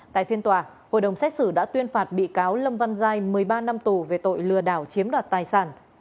tại phiên tòa hội đồng xét xử đã tuyên phạt bị cáo lâm văn giai một mươi ba năm tù về tội lừa đảo chiếm đoạt tài sản